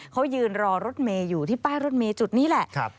เขายืนรอรถเมย์อยู่ที่ป้ายรถเมย์จุดนี้แหละ